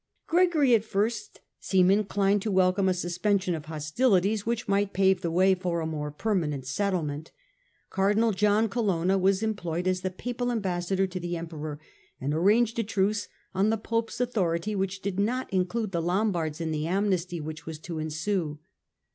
Gregory at first seemed inclined to welcome a suspension of hostilities which might pave the way for a more permanent settlement. Cardinal John Colonna was employed as the Papal ambassador to the Emperor and arranged a truce on the Pope's authority which did not include the Lombards in the amnesty which was to ensue.